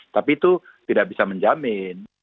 tapi itu tidak bisa menjamin